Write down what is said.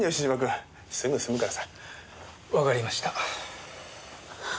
わかりました。